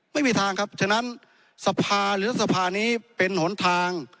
ไม่มีทางครับฉะนั้นสภาหรือสภานี้เป็นหนทาง